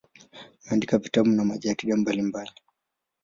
Ameandika vitabu na majarida mbalimbali.